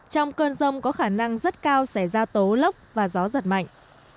trong cơn rông có khả năng rất cao sẽ ra tố lốc và gió giật mạnh